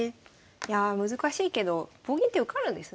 いやあ難しいけど棒銀って受かるんですね